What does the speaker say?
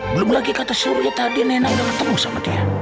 belum lagi kata surya tadi nenek udah ketemu sama dia